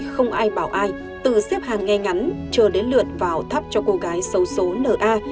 không ai bảo ai từ xếp hàng ngay ngắn trở đến lượt vào thắp cho cô gái xấu xố nna